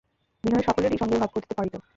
বিনয় সকলেরই সঙ্গে ভাব করিতে পারিত।